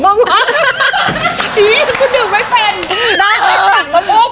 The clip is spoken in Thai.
ปรึงหรือทางต่อ